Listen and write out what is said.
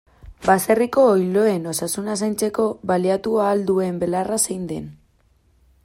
Baserriko oiloen osasuna zaintzeko baliatu ahal duen belarra zein den.